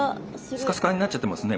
スカスカになっちゃってますね。